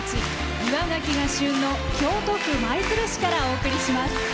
岩がきが旬の京都府舞鶴市からお送りします。